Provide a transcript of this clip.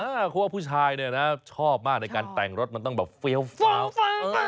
เพราะว่าผู้ชายเนี่ยนะชอบมากในการแต่งรถมันต้องแบบเฟี้ยวฟ้าว